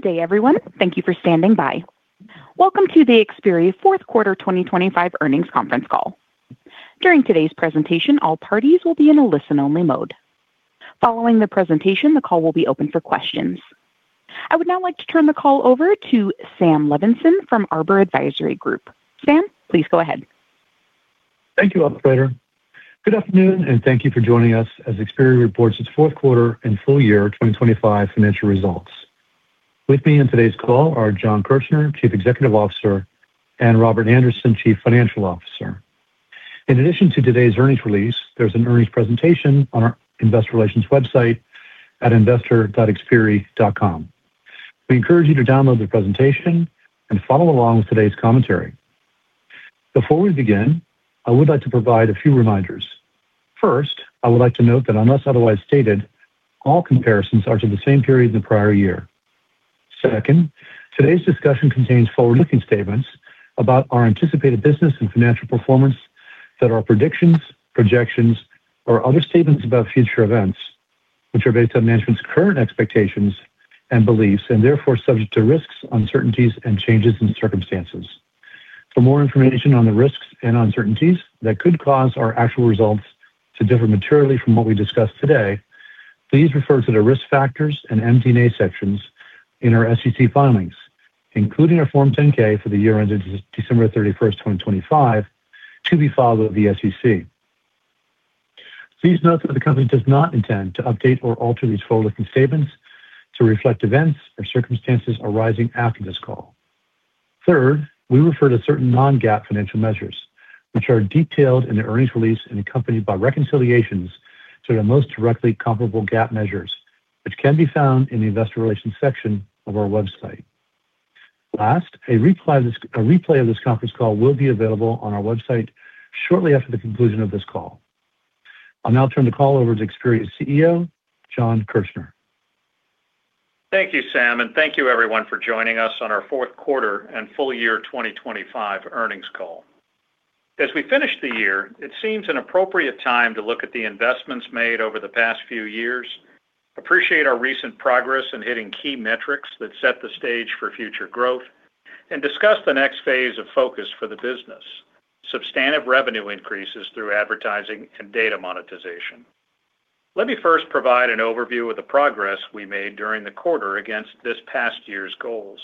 Good day, everyone. Thank you for standing by. Welcome to the Xperi Fourth Quarter 2025 Earnings Conference Call. During today's presentation, all parties will be in a listen-only mode. Following the presentation, the call will be open for questions. I would now like to turn the call over to SaM Levenson from Arbor Advisory Group. Sam, please go ahead. Thank you, Operator. Good afternoon. Thank you for joining us as Xperi reports its fourth quarter and full-year 2025 financial results. With me on today's call are Jon Kirchner, Chief Executive Officer, and Robert Anderson, Chief Financial Officer. In addition to today's earnings release, there's an earnings presentation on our investor relations website at investor.xperi.com. We encourage you to download the presentation and follow along with today's commentary. Before we begin, I would like to provide a few reminders. First, I would like to note that unless otherwise stated, all comparisons are to the same period the prior year. Second, today's discussion contains forward-looking statements about our anticipated business and financial performance that are predictions, projections, or other statements about future events, which are based on management's current expectations and beliefs, and therefore subject to risks, uncertainties, and changes in circumstances. For more information on the risks and uncertainties that could cause our actual results to differ materially from what we discuss today, please refer to the Risk Factors and MD&A sections in our SEC filings, including our Form 10-K for the year ended December 31st, 2025, to be followed with the SEC. Please note that the Company does not intend to update or alter these forward-looking statements to reflect events or circumstances arising after this call. We refer to certain non-GAAP financial measures, which are detailed in the earnings release and accompanied by reconciliations to the most directly comparable GAAP measures, which can be found in the Investor Relations section of our website. A replay of this conference call will be available on our website shortly after the conclusion of this call. I'll now turn the call over to Xperi's CEO, Jon Kirchner. Thank you, Sam. Thank you everyone for joining us on our fourth quarter and full year 2025 earnings call. As we finish the year, it seems an appropriate time to look at the investments made over the past few years, appreciate our recent progress in hitting key metrics that set the stage for future growth, and discuss the next phase of focus for the business, substantive revenue increases through advertising and data monetization. Let me first provide an overview of the progress we made during the quarter against this past year's goals.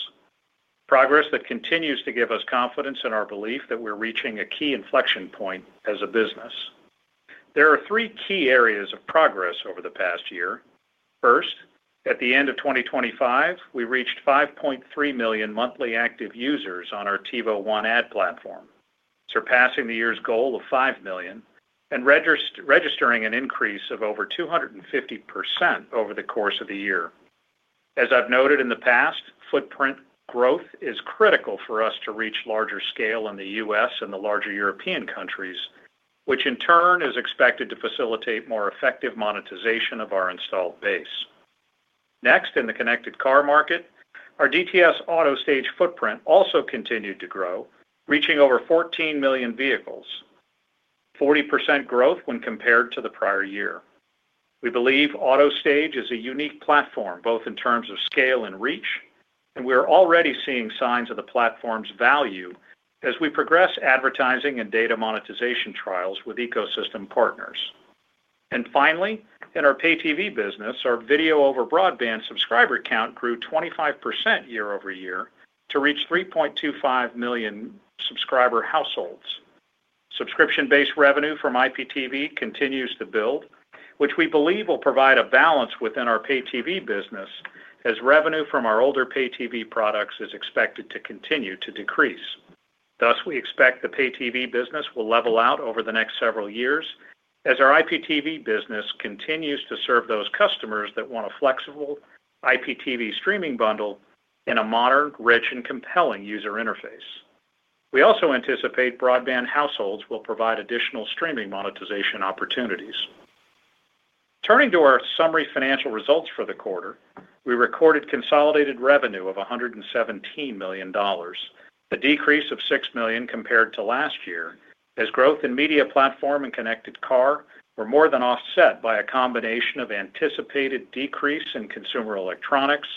Progress that continues to give us confidence in our belief that we're reaching a key inflection point as a business. There are three key areas of progress over the past year. At the end of 2025, we reached 5.3 million monthly active users on our TiVo One ad platform, surpassing the year's goal of 5 million and registering an increase of over 250% over the course of the year. As I've noted in the past, footprint growth is critical for us to reach larger scale in The U.S. and the larger European countries, which in turn is expected to facilitate more effective monetization of our installed base. Next, in the Connected Car market, our DTS AutoStage footprint also continued to grow, reaching over 14 million vehicles, 40% growth when compared to the prior year. We believe AutoStage is a unique platform, both in terms of scale and reach, and we are already seeing signs of the platform's value as we progress advertising and data monetization trials with ecosystem partners. In our pay TV business, our video over broadband subscriber count grew 25% year-over-year to reach 3.25 million subscriber households. Subscription-based revenue from IPTV continues to build, which we believe will provide a balance within our pay TV business, as revenue from our older pay TV products is expected to continue to decrease. Thus, we expect the pay TV business will level out over the next several years as our IPTV business continues to serve those customers that want a flexible IPTV streaming bundle in a modern, rich, and compelling user interface. We also anticipate broadband households will provide additional streaming monetization opportunities. Turning to our summary financial results for the quarter, we recorded consolidated revenue of $117 million, a decrease of $6 million compared to last year, as growth in Media Platform and Connected Car were more than offset by a combination of anticipated decrease in consumer electronics,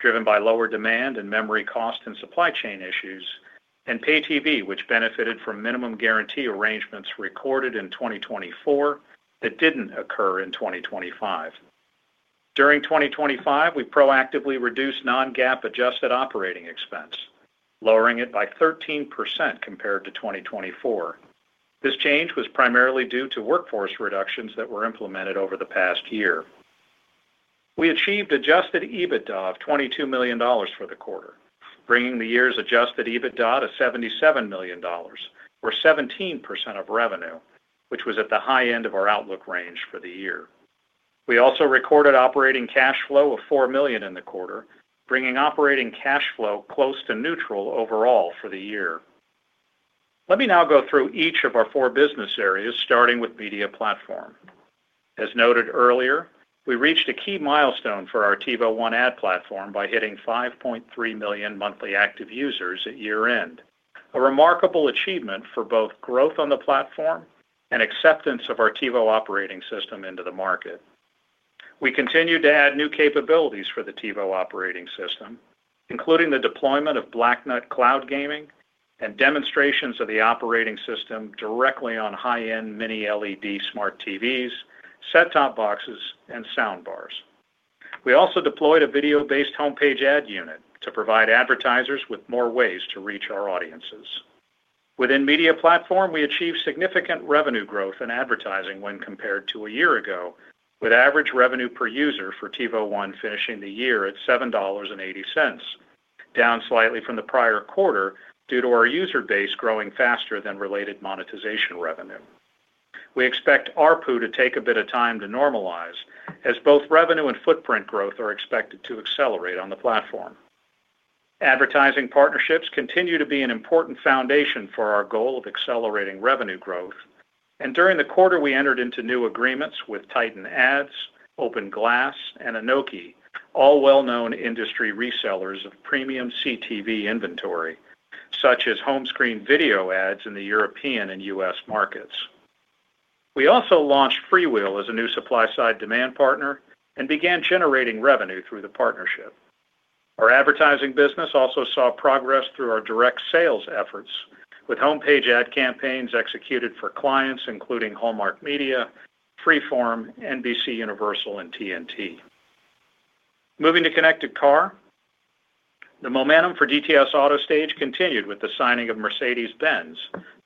driven by lower demand and memory cost and supply chain issues, and pay TV, which benefited from minimum guarantee arrangements recorded in 2024 that didn't occur in 2025. During 2025, we proactively reduced non-GAAP adjusted operating expense, lowering it by 13% compared to 2024. This change was primarily due to workforce reductions that were implemented over the past year. We achieved adjusted EBITDA of $22 million for the quarter, bringing the year's adjusted EBITDA to $77 million, or 17% of revenue, which was at the high end of our outlook range for the year. We also recorded operating cash flow of $4 million in the quarter, bringing operating cash flow close to neutral overall for the year. Let me now go through each of our four business areas, starting with Media Platform. As noted earlier, we reached a key milestone for our TiVo One ad platform by hitting 5.3 million monthly active users at year-end. A remarkable achievement for both growth on the platform and acceptance of our TiVo OS into the market. We continued to add new capabilities for the TiVo operating system, including the deployment of Blacknut cloud gaming and demonstrations of the operating system directly on high-end Mini LED smart TVs, set-top boxes, and sound bars. We also deployed a video-based homepage ad unit to provide advertisers with more ways to reach our audiences. Within media platform, we achieved significant revenue growth in advertising when compared to a year ago, with average revenue per user for TiVo One finishing the year at $7.80, down slightly from the prior quarter due to our user base growing faster than related monetization revenue. We expect ARPU to take a bit of time to normalize, as both revenue and footprint growth are expected to accelerate on the platform. Advertising partnerships continue to be an important foundation for our goal of accelerating revenue growth, and during the quarter, we entered into new agreements with Titan Ads, OpenGlass, and Inoki, all well-known industry resellers of premium CTV inventory, such as home screen video ads in the European and US markets. We also launched FreeWheel as a new supply-side demand partner and began generating revenue through the partnership. Our advertising business also saw progress through our direct sales efforts, with homepage ad campaigns executed for clients including Hallmark Media, Freeform, NBCUniversal, and TNT. Moving to Connected Car, the momentum for DTS AutoStage continued with the signing of Mercedes-Benz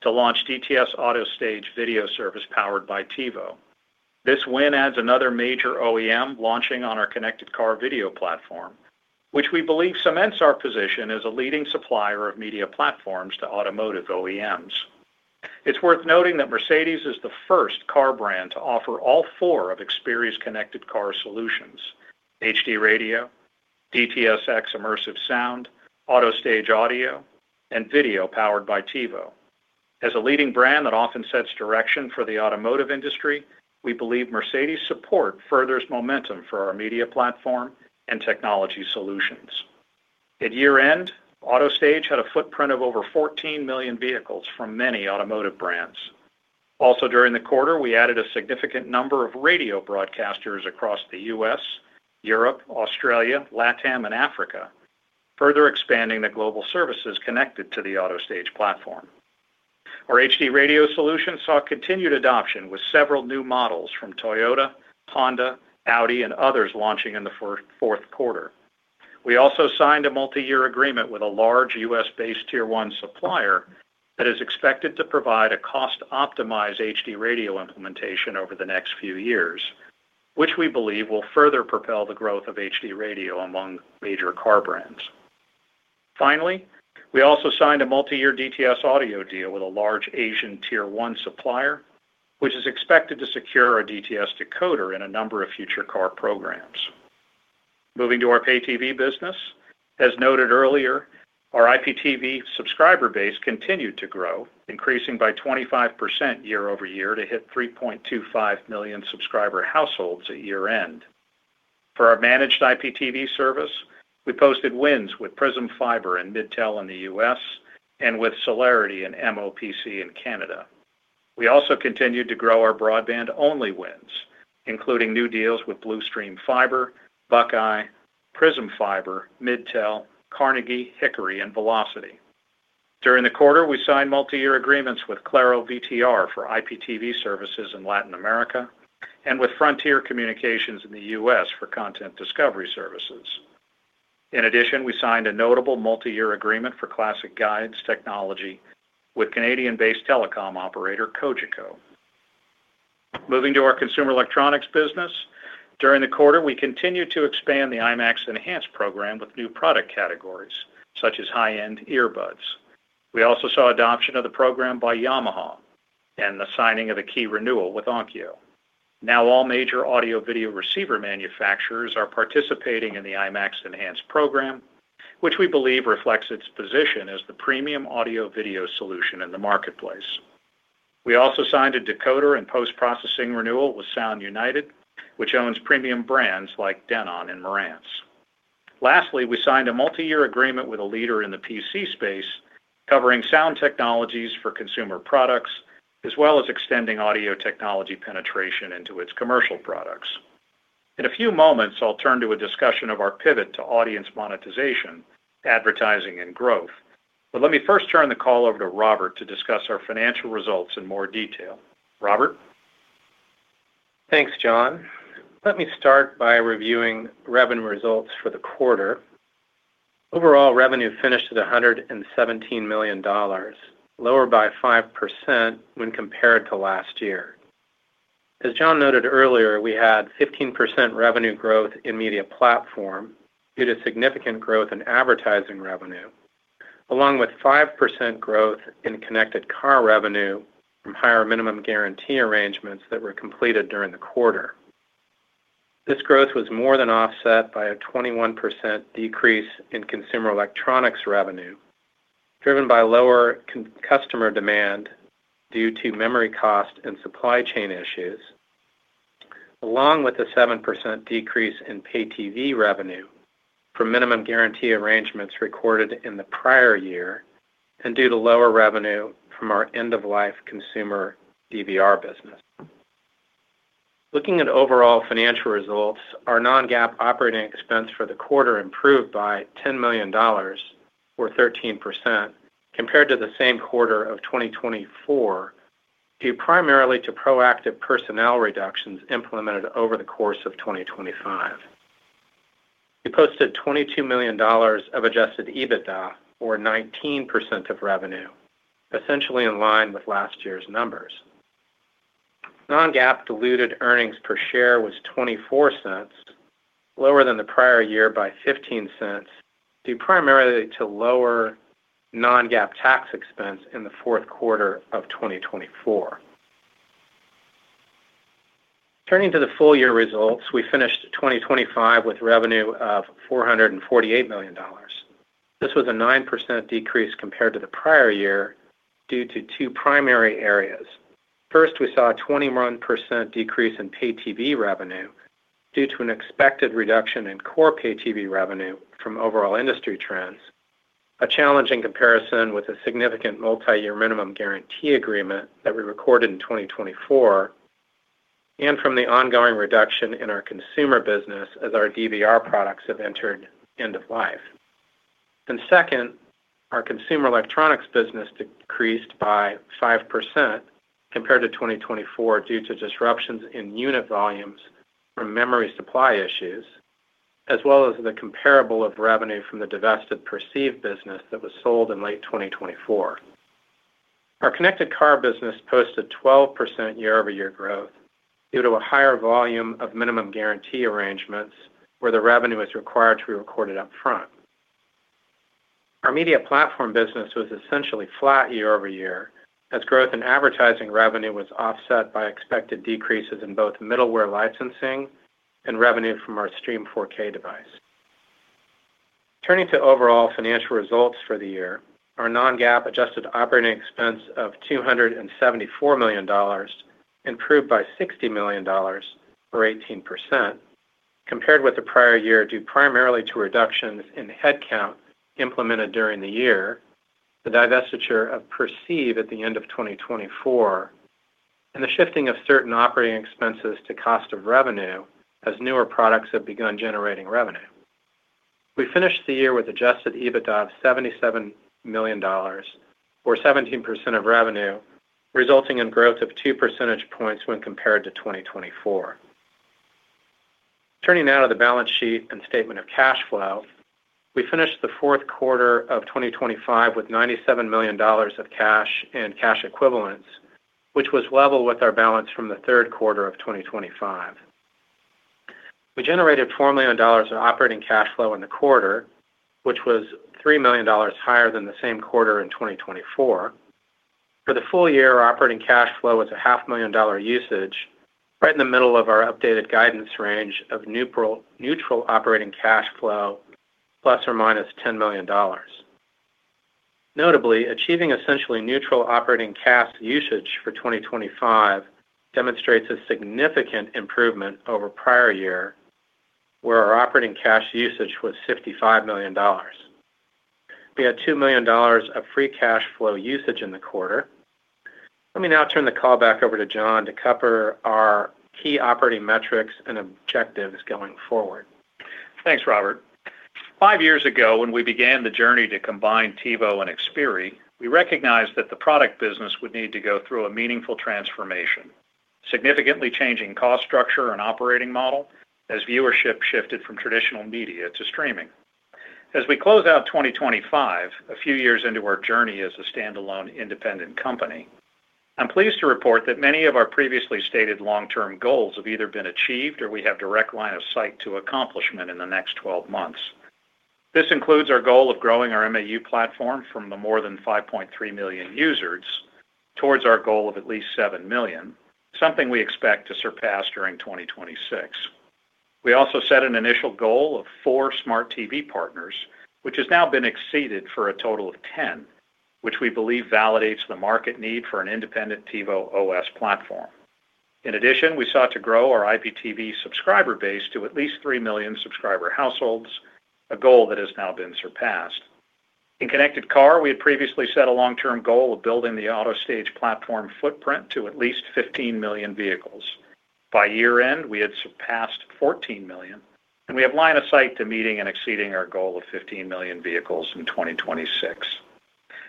to launch DTS AutoStage video service powered by TiVo. This win adds another major OEM launching on our connected car video platform, which we believe cements our position as a leading supplier of media platforms to automotive OEMs. It's worth noting that Mercedes is the first car brand to offer all four of Xperi's connected car solutions: HD Radio, DTS:X Immersive Sound, AutoStage Audio, and Video powered by TiVo. As a leading brand that often sets direction for the automotive industry, we believe Mercedes' support furthers momentum for our media platform and technology solutions. At year-end, AutoStage had a footprint of over 14 million vehicles from many automotive brands. During the quarter, we added a significant number of radio broadcasters across The U.S., Europe, Australia, LatAm, and Africa, further expanding the global services connected to the AutoStage platform. Our HD Radio solution saw continued adoption, with several new models from Toyota, Honda, Audi, and others launching in the fourth quarter. We also signed a multi-year agreement with a large US-based tier one supplier that is expected to provide a cost-optimized HD Radio implementation over the next few years, which we believe will further propel the growth of HD Radio among major car brands. We also signed a multi-year DTS Audio deal with a large Asian tier one supplier, which is expected to secure our DTS decoder in a number of future car programs. Moving to our pay TV business. As noted earlier, our IPTV subscriber base continued to grow, increasing by 25% year-over-year to hit 3.25 million subscriber households at year-end. For our managed IPTV service, we posted wins with Prizm Fiber and MIDTEL in The U.S. and with Celerity and MOPC in Canada. We also continued to grow our broadband-only wins, including new deals with Blue Stream Fiber, Buckeye, Prizm Fiber, MIDTEL, Carnegie, Hickory, and Velocity. During the quarter, we signed multi-year agreements with ClaroVTR for IPTV services in Latin America and with Frontier Communications in The U.S. for content discovery services. We signed a notable multi-year agreement for Classic Guides technology with Canadian-based telecom operator, Cogeco. Moving to our consumer electronics business. During the quarter, we continued to expand the IMAX Enhanced program with new product categories such as high-end earbuds. We also saw adoption of the program by Yamaha and the signing of a key renewal with Onkyo. All major audio-video receiver manufacturers are participating in the IMAX Enhanced program, which we believe reflects its position as the premium audio-video solution in the marketplace. We also signed a decoder and post-processing renewal with Sound United, which owns premium brands like Denon and Marantz. Lastly, we signed a multi-year agreement with a leader in the PC space, covering sound technologies for consumer products, as well as extending audio technology penetration into its commercial products. In a few moments, I'll turn to a discussion of our pivot to audience monetization, advertising, and growth. Let me first turn the call over to Robert to discuss our financial results in more detail. Robert? Thanks, Jon. Let me start by reviewing revenue results for the quarter. Overall, revenue finished at $117 million, lower by 5% when compared to last year. As Jon noted earlier, we had 15% revenue growth in media platform due to significant growth in advertising revenue, along with 5% growth in connected car revenue from higher minimum guarantee arrangements that were completed during the quarter. This growth was more than offset by a 21% decrease in consumer electronics revenue, driven by lower customer demand due to memory cost and supply chain issues. Along with a 7% decrease in pay TV revenue from minimum guarantee arrangements recorded in the prior year and due to lower revenue from our end-of-life consumer DVR business. Looking at overall financial results, our non-GAAP operating expense for the quarter improved by $10 million, or 13%, compared to the same quarter of 2024, due primarily to proactive personnel reductions implemented over the course of 2025. We posted $22 million of adjusted EBITDA, or 19% of revenue, essentially in line with last year's numbers. Non-GAAP diluted earnings per share was $0.24, lower than the prior year by $0.15, due primarily to lower non-GAAP tax expense in the fourth quarter of 2024. Turning to the full year results, we finished 2025 with revenue of $448 million. This was a 9% decrease compared to the prior year due to two primary areas. First, we saw a 21% decrease in pay TV revenue due to an expected reduction in core pay TV revenue from overall industry trends, a challenging comparison with a significant multi-year minimum guarantee agreement that we recorded in 2024, and from the ongoing reduction in our consumer business as our DVR products have entered end of life. Second, our consumer electronics business decreased by 5% compared to 2024 due to disruptions in unit volumes from memory supply issues, as well as the comparable of revenue from the divested Perceive business that was sold in late 2024. Our connected car business posted 12% year-over-year growth due to a higher volume of minimum guarantee arrangements, where the revenue is required to be recorded up front. Our media platform business was essentially flat year-over-year, as growth in advertising revenue was offset by expected decreases in both middleware licensing and revenue from our TiVo Stream 4K device. Turning to overall financial results for the year, our non-GAAP adjusted operating expense of $274 million improved by $60 million, or 18%, compared with the prior year, due primarily to reductions in headcount implemented during the year, the divestiture of Perceive at the end of 2024, and the shifting of certain operating expenses to cost of revenue as newer products have begun generating revenue. We finished the year with adjusted EBITDA of $77 million, or 17% of revenue, resulting in growth of 2 percentage points when compared to 2024. Turning now to the balance sheet and statement of cash flow. We finished the fourth quarter of 2025 with $97 million of cash and cash equivalents, which was level with our balance from the third quarter of 2025. We generated $4 million in operating cash flow in the quarter, which was $3 million higher than the same quarter in 2024. For the full year, our operating cash flow was a half million dollar usage, right in the middle of our updated guidance range of neutral operating cash flow, ±$10 million. Notably, achieving essentially neutral operating cash usage for 2025 demonstrates a significant improvement over prior year, where our operating cash usage was $55 million. We had $2 million of free cash flow usage in the quarter. Let me now turn the call back over to Jon to cover our key operating metrics and objectives going forward. Thanks, Robert. five years ago, when we began the journey to combine TiVo and Xperi, we recognized that the product business would need to go through a meaningful transformation, significantly changing cost structure and operating model as viewership shifted from traditional media to streaming. As we close out 2025, a few years into our journey as a standalone independent company, I'm pleased to report that many of our previously stated long-term goals have either been achieved or we have direct line of sight to accomplishment in the next 12 months. This includes our goal of growing our MAU platform from the more than 5.3 million users towards our goal of at least seven million, something we expect to surpass during 2026. We also set an initial goal of 4 smart TV partners, which has now been exceeded for a total of 10, which we believe validates the market need for an independent TiVo OS platform. In addition, we sought to grow our IPTV subscriber base to at least three million subscriber households, a goal that has now been surpassed. In Connected Car, we had previously set a long-term goal of building the AutoStage platform footprint to at least 15 million vehicles. By year-end, we had surpassed 14 million, and we have line of sight to meeting and exceeding our goal of 15 million vehicles in 2026.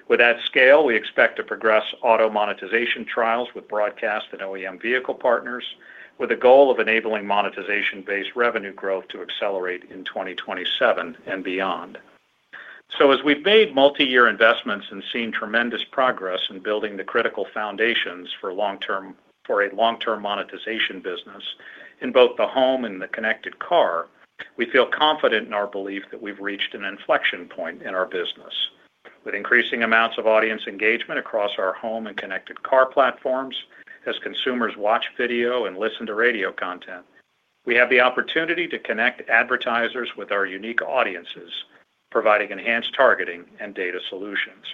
With that scale, we expect to progress Auto monetization trials with broadcast and OEM vehicle partners, with a goal of enabling monetization-based revenue growth to accelerate in 2027 and beyond. As we've made multi-year investments and seen tremendous progress in building the critical foundations for a long-term monetization business in both the home and the connected car, we feel confident in our belief that we've reached an inflection point in our business. With increasing amounts of audience engagement across our home and connected car platforms, as consumers watch video and listen to radio content, we have the opportunity to connect advertisers with our unique audiences, providing enhanced targeting and data solutions.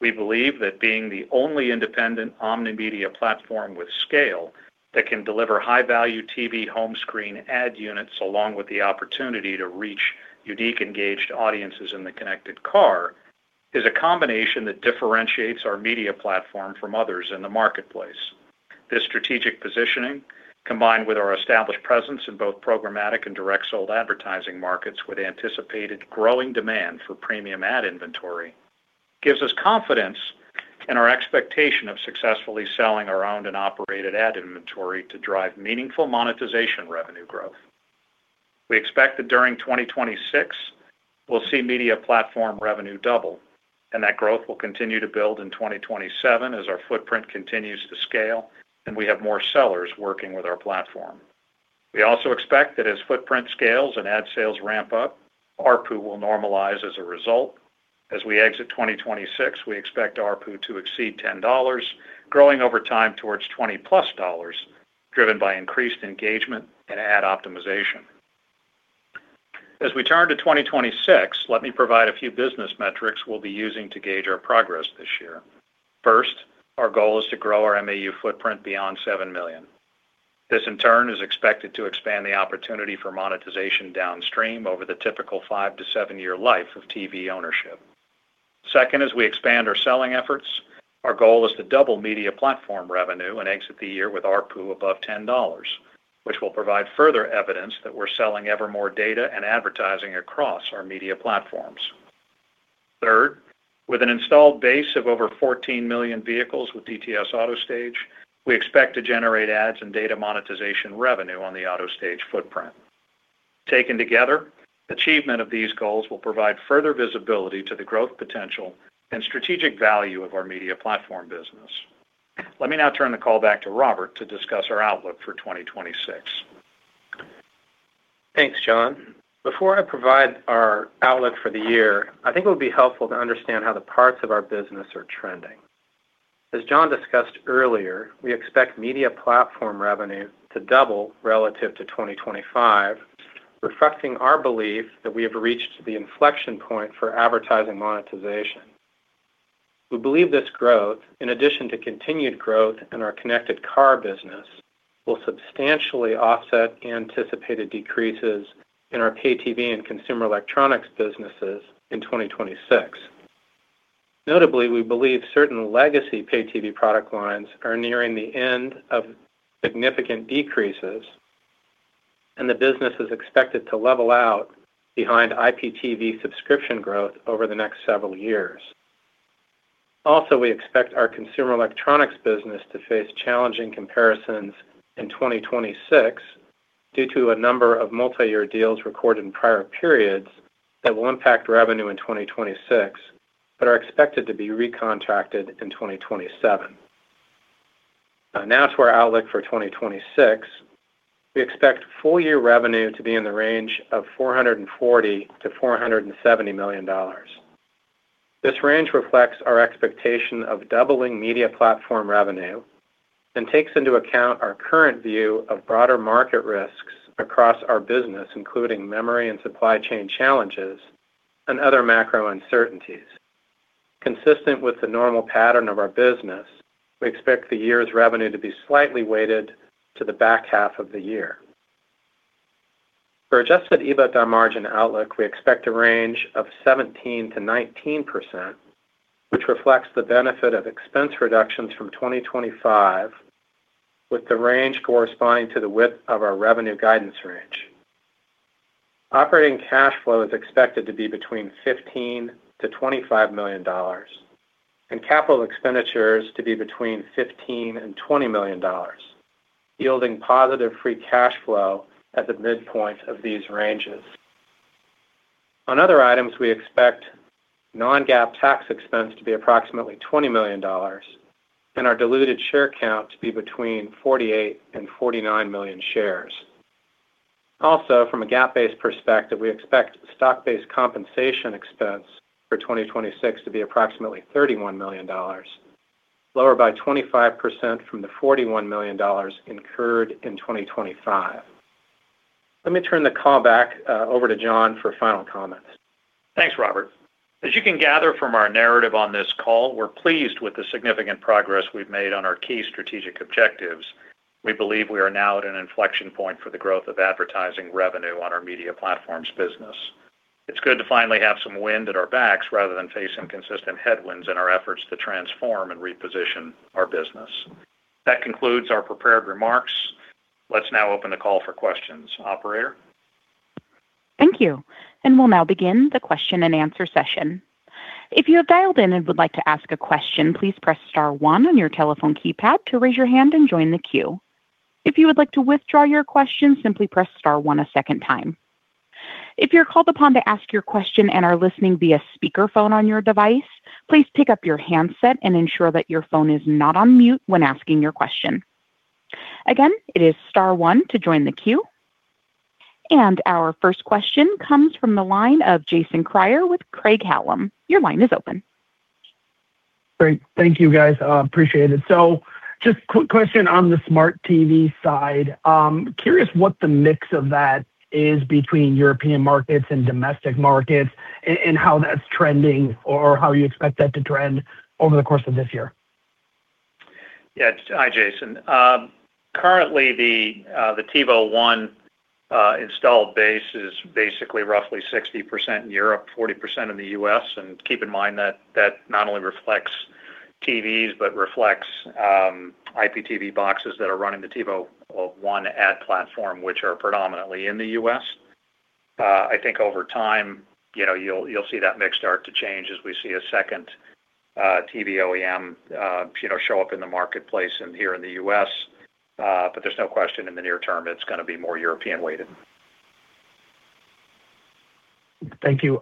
We believe that being the only independent omnimedia platform with scale that can deliver high-value TV home screen ad units, along with the opportunity to reach unique, engaged audiences in the connected car, is a combination that differentiates our media platform from others in the marketplace. This strategic positioning, combined with our established presence in both programmatic and direct sold advertising markets, with anticipated growing demand for premium ad inventory, gives us confidence in our expectation of successfully selling our owned and operated ad inventory to drive meaningful monetization revenue growth. We expect that during 2026, we'll see media platform revenue double, and that growth will continue to build in 2027 as our footprint continues to scale and we have more sellers working with our platform. We also expect that as footprint scales and ad sales ramp up, ARPU will normalize as a result. As we exit 2026, we expect ARPU to exceed $10, growing over time towards $20+, driven by increased engagement and ad optimization. As we turn to 2026, let me provide a few business metrics we'll be using to gauge our progress this year. First, our goal is to grow our MAU footprint beyond 7 million. This, in turn, is expected to expand the opportunity for monetization downstream over the typical five to seven-year life of TV ownership. Second, as we expand our selling efforts, our goal is to double media platform revenue and exit the year with ARPU above $10, which will provide further evidence that we're selling ever more data and advertising across our media platforms. Third, with an installed base of over 14 million vehicles with DTS AutoStage, we expect to generate ads and data monetization revenue on the AutoStage footprint. Taken together, achievement of these goals will provide further visibility to the growth, potential, and strategic value of our media platform business. Let me now turn the call back to Robert to discuss our outlook for 2026. Thanks, Jon. Before I provide our outlook for the year, I think it would be helpful to understand how the parts of our business are trending. As Jon discussed earlier, we expect media platform revenue to double relative to 2025, reflecting our belief that we have reached the inflection point for advertising monetization. We believe this growth, in addition to continued growth in our connected car business, will substantially offset anticipated decreases in our pay TV and consumer electronics businesses in 2026. Notably, we believe certain legacy pay TV product lines are nearing the end of significant decreases, and the business is expected to level out behind IPTV subscription growth over the next several years. We expect our consumer electronics business to face challenging comparisons in 2026 due to a number of multiyear deals recorded in prior periods that will impact revenue in 2026, but are expected to be recontracted in 2027. To our outlook for 2026. We expect full-year revenue to be in the range of $440 million-$470 million. This range reflects our expectation of doubling media platform revenue and takes into account our current view of broader market risks across our business, including memory and supply chain challenges and other macro uncertainties. Consistent with the normal pattern of our business, we expect the year's revenue to be slightly weighted to the back half of the year. For adjusted EBITDA margin outlook, we expect a range of 17%-19%, which reflects the benefit of expense reductions from 2025, with the range corresponding to the width of our revenue guidance range. Operating cash flow is expected to be between $15 million-$25 million, and capital expenditures to be between $15 million and $20 million, yielding positive free cash flow at the midpoint of these ranges. On other items, we expect non-GAAP tax expense to be approximately $20 million and our diluted share count to be between 48 million and 49 million shares. Also, from a GAAP-based perspective, we expect stock-based compensation expense for 2026 to be approximately $31 million, lower by 25% from the $41 million incurred in 2025. Let me turn the call back over to Jon for final comments. Thanks, Robert. As you can gather from our narrative on this call, we're pleased with the significant progress we've made on our key strategic objectives. We believe we are now at an inflection point for the growth of advertising revenue on our media platforms business. It's good to finally have some wind at our backs rather than facing consistent headwinds in our efforts to transform and reposition our business. That concludes our prepared remarks. Let's now open the call for questions. Operator? Thank you. We'll now begin the question-and-answer session. If you have dialed in and would like to ask a question, please press star one on your telephone keypad to raise your hand and join the queue. If you would like to withdraw your question, simply press star one a second time. If you're called upon to ask your question and are listening via speakerphone on your device, please pick up your handset and ensure that your phone is not on mute when asking your question. Again, it is star one to join the queue. Our first question comes from the line of Jason Kreyer with Craig-Hallum. Your line is open. Great. Thank you, guys. Appreciate it. Just quick question on the smart TV side. Curious what the mix of that is between European markets and domestic markets, and how that's trending or how you expect that to trend over the course of this year? Yeah. Hi, Jason. Currently, the TiVo One installed base is basically roughly 60% in Europe, 40% in The U.S. Keep in mind that not only reflects TVs, but reflects IPTV boxes that are running the TiVo One ad platform, which are predominantly in The U.S. I think over time, you know, you'll see that mix start to change as we see a second TV OEM, you know, show up in the marketplace and here in The U.S. There's no question in the near term, it's gonna be more European-weighted. Thank you.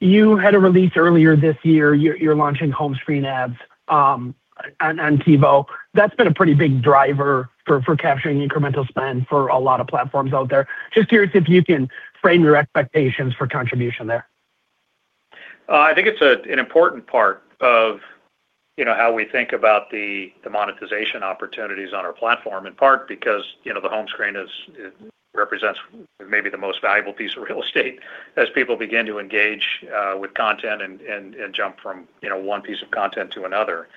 You had a release earlier this year. You're launching home screen ads on TiVo. That's been a pretty big driver for capturing incremental spend for a lot of platforms out there. Just curious if you can frame your expectations for contribution there? I think it's an important part of, you know, how we think about the monetization opportunities on our platform, in part because, you know, the home screen is it represents maybe the most valuable piece of real estate as people begin to engage with content and jump from, you know, one piece of content to another.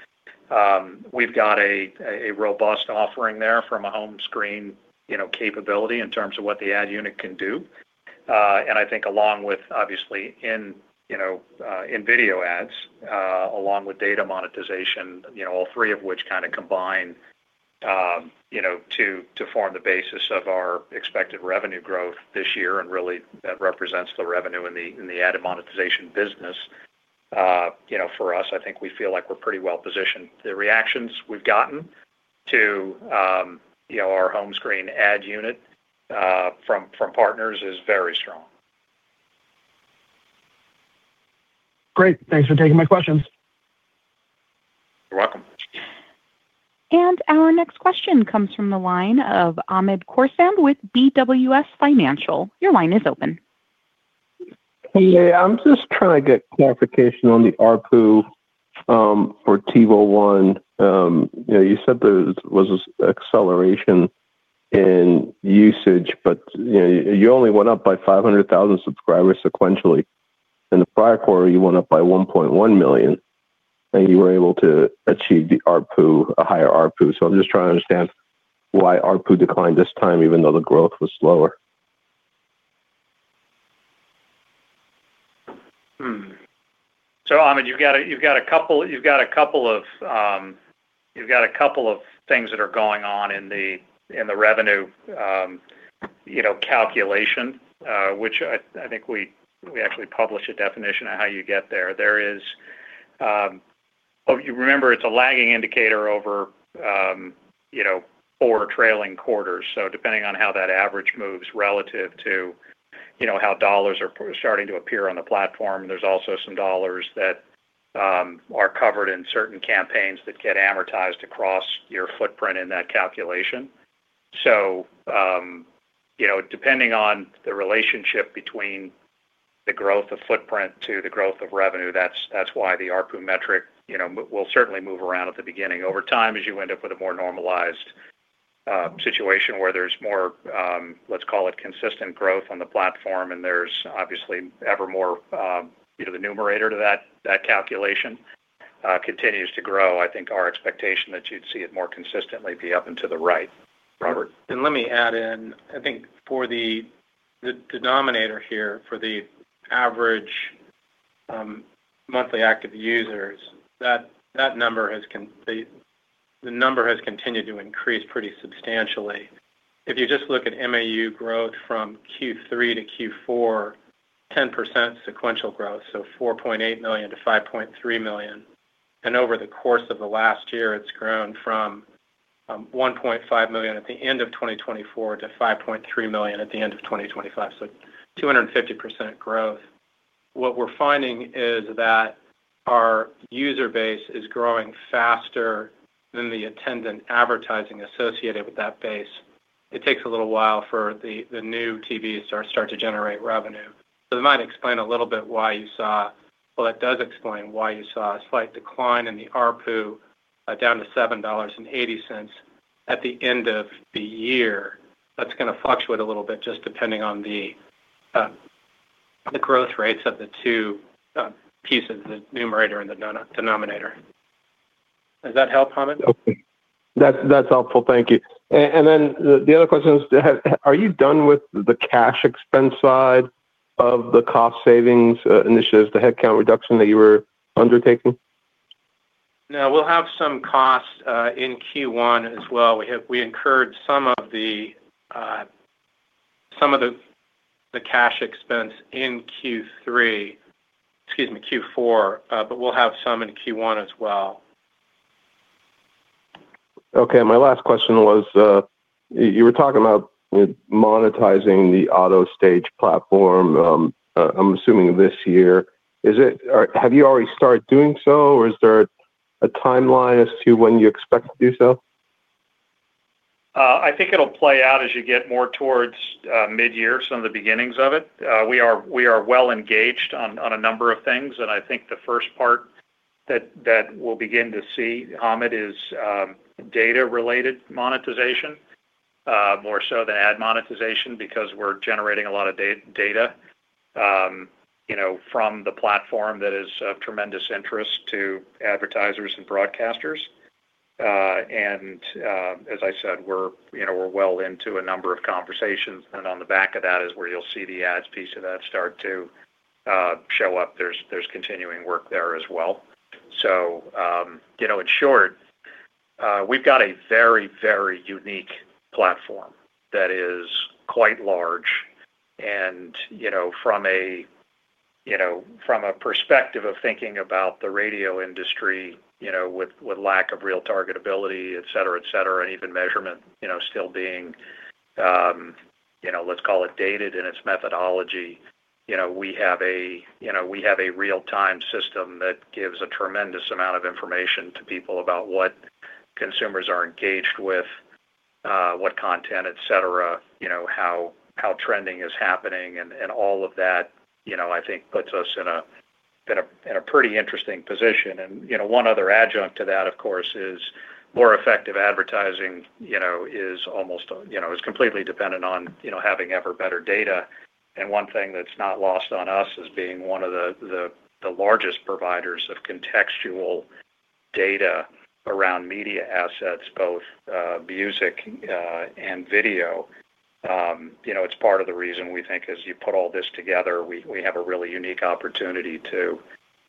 We've got a robust offering there from a home screen, you know, capability in terms of what the ad unit can do. I think along with, obviously, in video ads, along with data monetization, you know, all three of which kind of combine, you know, to form the basis of our expected revenue growth this year, and really, that represents the revenue in the ad and monetization business. You know, for us, I think we feel like we're pretty well-positioned. The reactions we've gotten to, you know, our home screen ad unit, from partners is very strong. Great. Thanks for taking my questions. You're welcome. Our next question comes from the line of Hamed Khorsand with BWS Financial. Your line is open. Hey, I'm just trying to get clarification on the ARPU for TiVo One. You know, you said there was this acceleration in usage, you know, you only went up by 500,000 subscribers sequentially. In the prior quarter, you went up by 1.1 million, and you were able to achieve the ARPU, a higher ARPU. I'm just trying to understand why ARPU declined this time, even though the growth was slower? Hamed Khorsand, you've got a couple of things that are going on in the revenue, you know, calculation, which I think we actually publish a definition of how you get there. There is, you remember, it's a lagging indicator over, you know, four trailing quarters. Depending on how that average moves relative to, you know, how dollars are starting to appear on the platform, there's also some dollars that are covered in certain campaigns that get amortized across your footprint in that calculation. You know, depending on the relationship between the growth of footprint to the growth of revenue, that's why the ARPU metric, you know, will certainly move around at the beginning. Over time, as you end up with a more normalized situation where there's more, let's call it consistent growth on the platform, and there's obviously ever more, you know, the numerator to that calculation, continues to grow. I think our expectation that you'd see it more consistently be up and to the right. Robert? Let me add in, I think for the denominator here, for the average monthly active users, that number has continued to increase pretty substantially. If you just look at MAU growth from Q3 to Q4, 10% sequential growth, so 4.8 million to 5.3 million. Over the course of the last year, it's grown from 1.5 million at the end of 2024 to 5.3 million at the end of 2025, so 250% growth. What we're finding is that our user base is growing faster than the attendant advertising associated with that base. It takes a little while for the new TVs to start to generate revenue. It might explain a little bit why you saw... It does explain why you saw a slight decline in the ARPU, down to $7.80 at the end of the year. That's gonna fluctuate a little bit, just depending on the growth rates of the two pieces, the numerator and the denominator. Does that help, Hamed? Okay. That's helpful. Thank you. The other question is: Are you done with the cash expense side of the cost savings initiatives, the headcount reduction that you were undertaking? No, we'll have some costs in Q1 as well. We incurred some of the cash expense in Q3, excuse me, Q4. We'll have some in Q1 as well. Okay. My last question was, you were talking about monetizing the Auto Stage platform, I'm assuming this year. Have you already started doing so, or is there a timeline as to when you expect to do so? ... I think it'll play out as you get more towards midyear, some of the beginnings of it. We are well engaged on a number of things, and I think the first part that we'll begin to see, Hamed, is data-related monetization, more so than ad monetization, because we're generating a lot of data, you know, from the platform that is of tremendous interest to advertisers and broadcasters. As I said, we're, you know, we're well into a number of conversations, and on the back of that is where you'll see the ads piece of that start to show up. There's continuing work there as well. You know, in short, we've got a very, very unique platform that is quite large and, you know, from a, you know, from a perspective of thinking about the radio industry, you know, with lack of real targetability, et cetera, et cetera, and even measurement, you know, still being, you know, let's call it dated in its methodology. You know, we have a, you know, we have a real-time system that gives a tremendous amount of information to people about what consumers are engaged with, what content, et cetera, you know, how trending is happening and all of that, you know, I think puts us in a, in a, in a pretty interesting position. you know, one other adjunct to that, of course, is more effective advertising, you know, is almost, you know, is completely dependent on, you know, having ever better data. One thing that's not lost on us is being one of the largest providers of contextual data around media assets, both music and video. You know, it's part of the reason we think as you put all this together, we have a really unique opportunity to,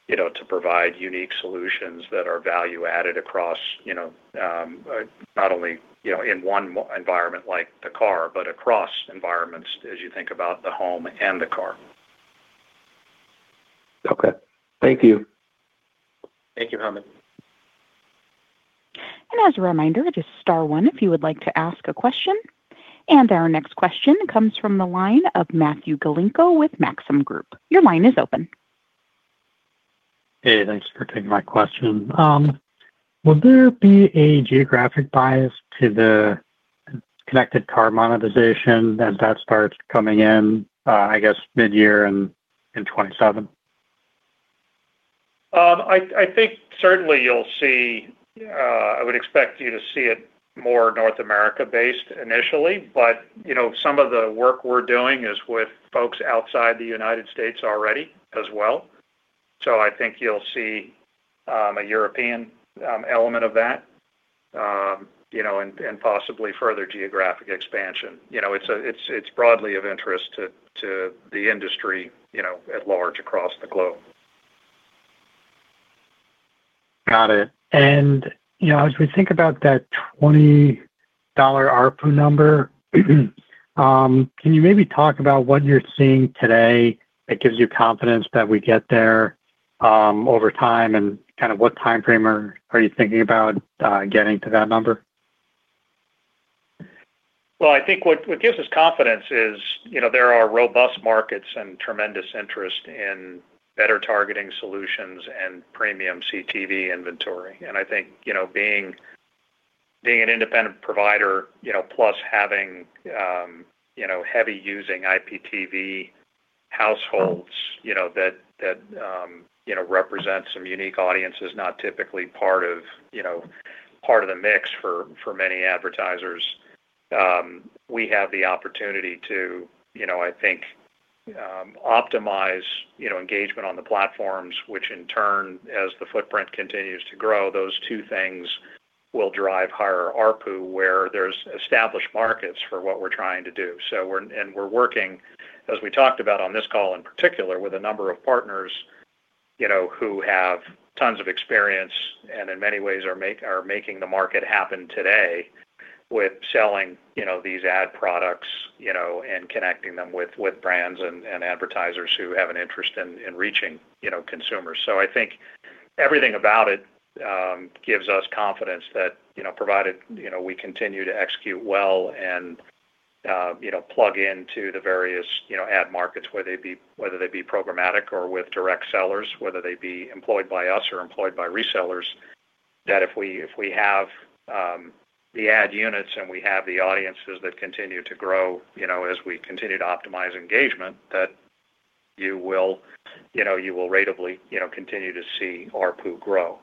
you know, to provide unique solutions that are value-added across, you know, not only, you know, in one environment like the car, but across environments as you think about the home and the car. Okay. Thank you. Thank you, Hamed. As a reminder, it is star one if you would like to ask a question. Our next question comes from the line of Matthew Galinko with Maxim Group. Your line is open. Hey, thanks for taking my question. Will there be a geographic bias to the connected car monetization as that starts coming in, I guess midyear in 2027? I think certainly you'll see, I would expect you to see it more North America-based initially. You know, some of the work we're doing is with folks outside the United States already as well. I think you'll see a European element of that, you know, and possibly further geographic expansion. You know, it's broadly of interest to the industry, you know, at large across the globe. Got it. you know, as we think about that $20 ARPU number, can you maybe talk about what you're seeing today that gives you confidence that we get there, over time, and kind of what time frame are you thinking about, getting to that number? Well, I think what gives us confidence is, you know, there are robust markets and tremendous interest in better targeting solutions and premium CTV inventory. I think, you know, being an independent provider, you know, plus having, you know, heavy-using IPTV households, you know, that, you know, represent some unique audiences, not typically part of, you know, part of the mix for many advertisers. We have the opportunity to, you know, I think, optimize, you know, engagement on the platforms, which in turn, as the footprint continues to grow, those two things will drive higher ARPU, where there's established markets for what we're trying to do. And we're working, as we talked about on this call, in particular, with a number of partners, you know, who have tons of experience and in many ways are making the market happen today with selling, you know, these ad products, you know, and connecting them with brands and advertisers who have an interest in reaching, you know, consumers. I think everything about it gives us confidence that, you know, provided, you know, we continue to execute well and, you know, plug into the various, you know, ad markets, whether they be programmatic or with direct sellers, whether they be employed by us or employed by resellers, that if we have the ad units and we have the audiences that continue to grow, you know, as we continue to optimize engagement, that you will, you know, you will ratably, you know, continue to see ARPU grow.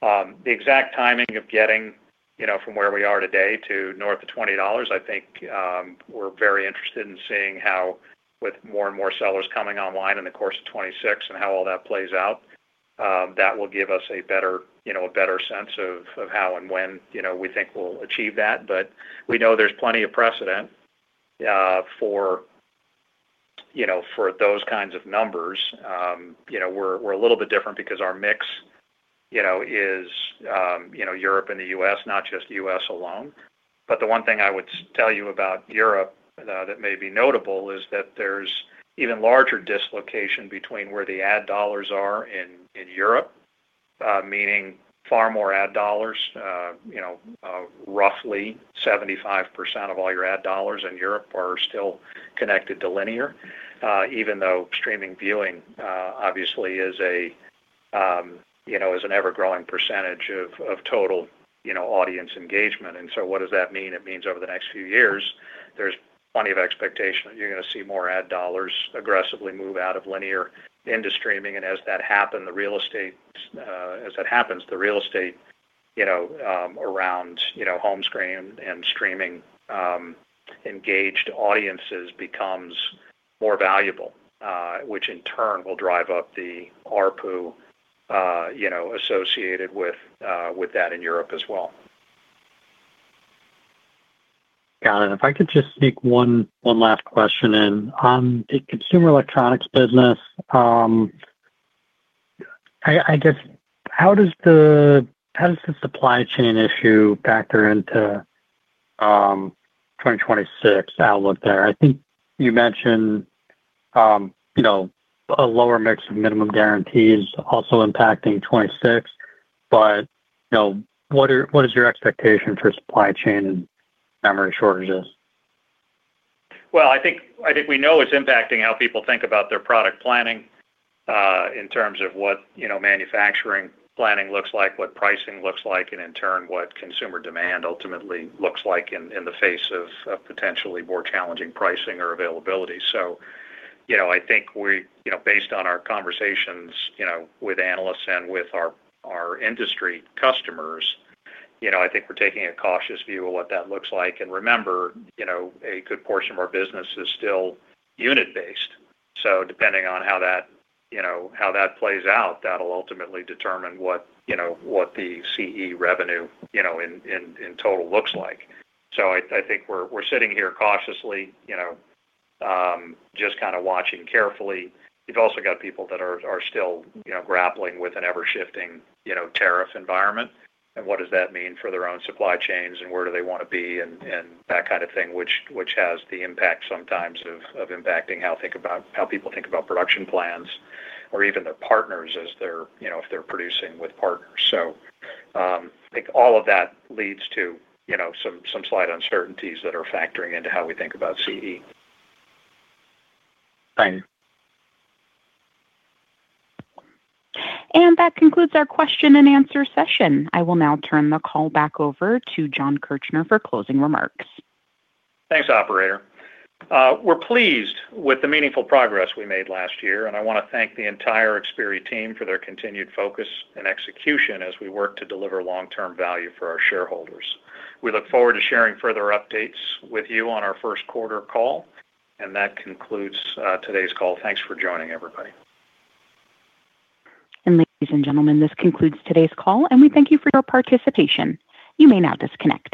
The exact timing of getting, you know, from where we are today to north of $20, I think, we're very interested in seeing how with more and more sellers coming online in the course of 2026 and how all that plays out. That will give us a better, you know, a better sense of how and when, you know, we think we'll achieve that. We know there's plenty of precedent for, you know, for those kinds of numbers. You know, we're a little bit different because our mix, you know, is, you know, Europe and The U.S., not just U.S. alone. The one thing I would tell you about Europe that may be notable is that there's even larger dislocation between where the ad dollars are in Europe, meaning far more ad dollars. You know, roughly 75% of all your ad dollars in Europe are still connected to linear, even though streaming viewing, obviously, is, you know, as an ever-growing percentage of total, you know, audience engagement. What does that mean? It means over the next few years, there's plenty of expectation that you're gonna see more ad dollars aggressively move out of linear into streaming. As that happens, the real estate, you know, around, you know, home screen and streaming, engaged audiences becomes more valuable, which in turn will drive up the ARPU, you know, associated with that in Europe as well. Got it. If I could just sneak one last question in. On the consumer electronics business, I guess, how does the supply chain issue factor into 2026 outlook there? I think you mentioned, you know, a lower mix of minimum guarantees also impacting 26, but, you know, what is your expectation for supply chain and memory shortages? I think, I think we know it's impacting how people think about their product planning, in terms of what, you know, manufacturing planning looks like, what pricing looks like, and in turn, what consumer demand ultimately looks like in the face of potentially more challenging pricing or availability. You know, I think. You know, based on our conversations, you know, with analysts and with our industry customers, you know, I think we're taking a cautious view of what that looks like. Remember, you know, a good portion of our business is still unit-based. Depending on how that, you know, how that plays out, that'll ultimately determine what, you know, what the CE revenue, you know, in total looks like. I think we're sitting here cautiously, you know, just kinda watching carefully. You've also got people that are still, you know, grappling with an ever-shifting, you know, tariff environment, and what does that mean for their own supply chains, and where do they wanna be, and that kind of thing, which has the impact sometimes of impacting how people think about production plans or even their partners as they're, you know, if they're producing with partners. I think all of that leads to, you know, some slight uncertainties that are factoring into how we think about CE. Thanks. That concludes our question and answer session. I will now turn the call back over to Jon Kirchner for closing remarks. Thanks, operator. We're pleased with the meaningful progress we made last year, and I wanna thank the entire Xperi team for their continued focus and execution as we work to deliver long-term value for our shareholders. We look forward to sharing further updates with you on our first quarter call, and that concludes today's call. Thanks for joining, everybody. Ladies and gentlemen, this concludes today's call, and we thank you for your participation. You may now disconnect.